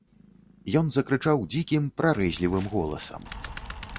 Ён закрычаў дзікім, прарэзлівым голасам.